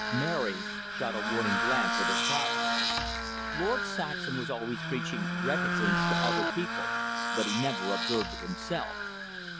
Mary shot a warning glance at her father. Lord Saxham was always preaching reticence to other people, but he never observed it himself.